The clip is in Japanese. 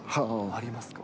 ありますか？